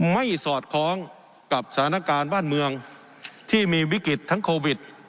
สอดคล้องกับสถานการณ์บ้านเมืองที่มีวิกฤตทั้งโควิด